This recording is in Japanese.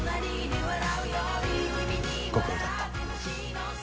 ご苦労だった。